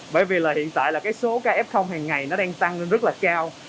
bởi vì là hiện tại là cái số ca f hàng ngày nó đang tăng lên rất là cao